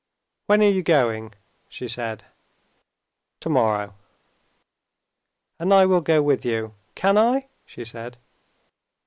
"When are you going?" she said. "Tomorrow." "And I will go with you, can I?" she said.